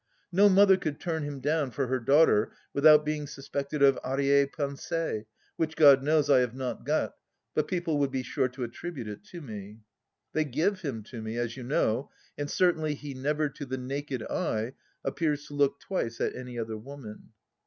No mother could turn him down for her daughter without being suspected of arriere pensie, which, God knows, I have not got, but people would be sure to attribute it to me. They give him to me, as you know, and certainly he never, to the naked eye, appears to look twice at any other woman.